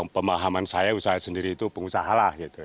pemahaman saya usaha sendiri itu pengusaha